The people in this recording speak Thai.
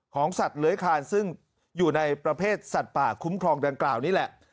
สัตว์เลื้อยคานซึ่งอยู่ในประเภทสัตว์ป่าคุ้มครองดังกล่าวนี่แหละ